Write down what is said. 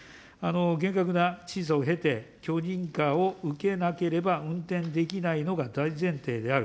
厳格な審査を経て、許認可を受けなければ運転できないのが大前提である。